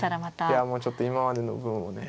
いやもうちょっと今までの分をね。